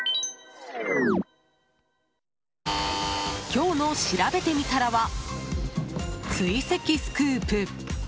今日のしらべてみたらは追跡スクープ。